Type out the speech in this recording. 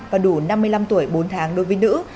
và đủ năm mươi năm tuổi bốn tháng đối với nữ